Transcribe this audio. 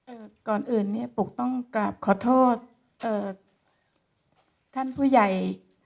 ก่อนอื่นเนี้ยปลูกต้องกลับขอโทษเอ่อท่านผู้ใหญ่